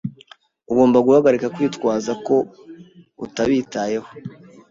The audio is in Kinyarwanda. Ugomba guhagarika kwitwaza ko utabitayeho.